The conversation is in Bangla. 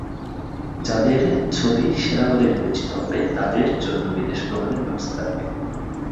যাঁদের ছবি সেরা বলে বিবেচিত হবে, তাঁদের জন্য বিদেশ ভ্রমণের ব্যবস্থা থাকবে।